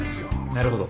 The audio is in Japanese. なるほど。